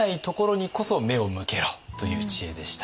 という知恵でした。